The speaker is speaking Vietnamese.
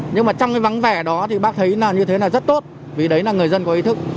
nhưng mà trong cái vắng vẻ đó thì bác thấy là như thế là rất tốt vì đấy là người dân có ý thức